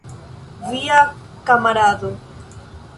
Via kamarado.